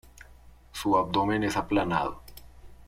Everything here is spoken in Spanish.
Su abdomen es aplanado.